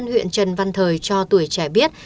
huyện trần văn thời cho tuổi trẻ biết